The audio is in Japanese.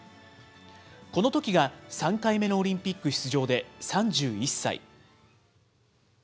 このときが３回目のオリンピック出場で、３１歳。